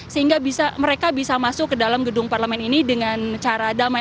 sehingga mereka bisa masuk ke dalam gedung parlemen ini dengan cara damai